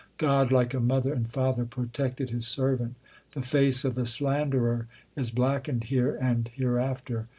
God like a mother and father protected His servant. The face of the slanderer is blackened here and hereafter.